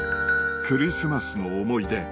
クリスマスの思い出